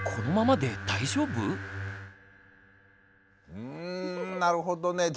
うんなるほどね。